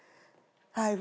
はい。